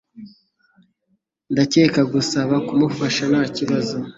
Ndakeka gusaba kumufasha ntakibazo.